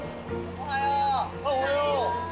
おはよう。